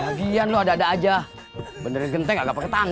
bagian lu ada ada aja bener bener nggak panggung